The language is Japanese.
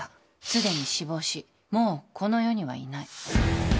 すでに死亡しもうこの世にはいない。